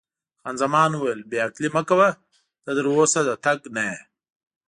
خان زمان وویل: بې عقلي مه کوه، ته تراوسه د تګ نه یې.